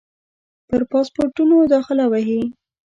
پر پاسپورټونو داخله وهي.